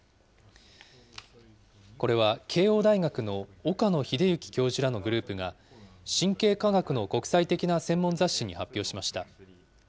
これは、慶応大学の岡野栄之教授らのグループが、神経科学の国際的な専門雑誌に発表しました。